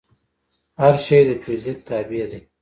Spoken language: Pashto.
هر شی د فزیک تابع دی.